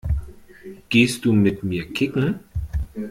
Gehst du mit mir kicken?